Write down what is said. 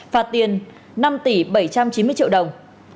phạt tiền năm tỷ bảy trăm chín mươi triệu đồng